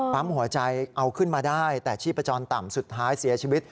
ปั๊มหัวใจเอาขึ้นมาได้แต่ชีพจรต่ำสุดท้ายเสียชีวิต